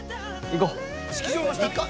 行こう！